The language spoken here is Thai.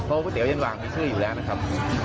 เพราะวัตเตี๋ยวเย็นวังมีชื่ออยู่แล้วนะครับ